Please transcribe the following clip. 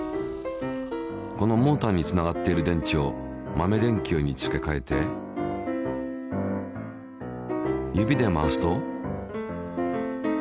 このモーターにつながっている電池を豆電球に付けかえて指で回すと。